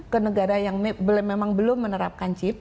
ke negara yang memang belum menerapkan chip